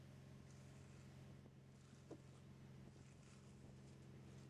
媽